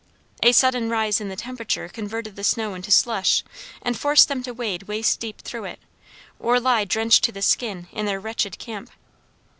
A sudden rise in the temperature converted the snow into slush, and forced them to wade waist deep through it, or lie drenched to the skin in their wretched camp.